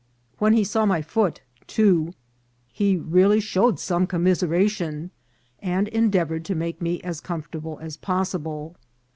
When he saw my foot, too, he really showed some commiseration, and endeavoured to make me as comfortable as possible.